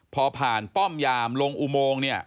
พอผ่านป้อมยามลงอุโมงเนี่ย